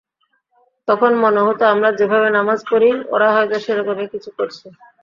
তখন মনে হতো আমরা যেভাবে নামাজ পড়ি, ওরা হয়তো সেরকমই কিছু করছে।